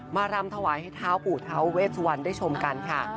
รำถวายให้เท้าปู่ท้าเวสวันได้ชมกันค่ะ